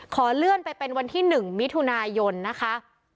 ขอเลื่อนไปเป็นวันที่๑มิถุนายนนะคะ